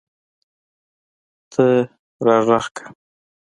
ته راږغ کړه !